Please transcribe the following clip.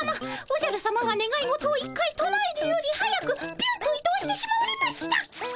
おじゃるさまがねがい事を１回となえるより速くビュンと移動してしまわれましたっ。